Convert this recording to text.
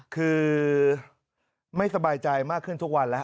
คือไม่สบายใจมากขึ้นทุกวันแล้ว